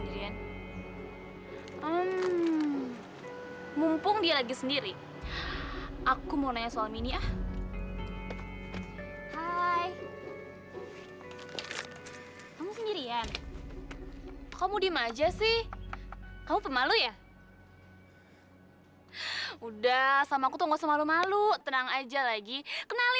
iya tapi cerita ini gak sama loh sama mini